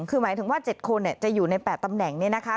คือหมายถึงว่า๗คนจะอยู่ใน๘ตำแหน่งนี้นะคะ